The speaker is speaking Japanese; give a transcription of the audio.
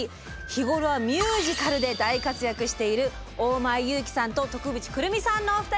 日頃はミュージカルで大活躍している大前優樹さんと徳渕来美さんのお二人です。